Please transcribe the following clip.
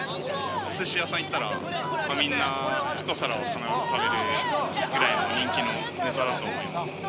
おすし屋さん行ったら、みんな１皿は必ず食べるくらいの人気のネタだと思います。